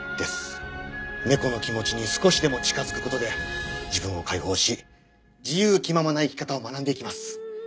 猫の気持ちに少しでも近づく事で自分を解放し自由気ままな生き方を学んでいきます。